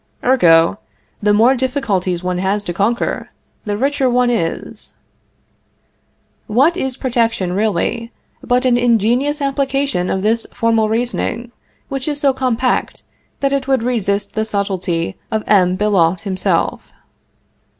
Ergo, the more difficulties one has to conquer, the richer one is. What is protection, really, but an ingenious application of this formal reasoning, which is so compact that it would resist the subtlety of M. Billault himself?